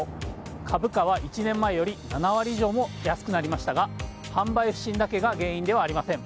株価は１年前より７割以上も安くなりましたが販売不振だけが原因ではありません。